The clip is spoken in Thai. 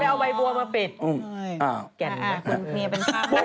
อ๋อได้เอาใบบัวมาปิด